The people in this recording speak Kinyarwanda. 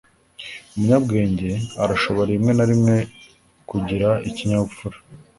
Umunyabwenge arashobora rimwe na rimwe kugira ikinyabupfura.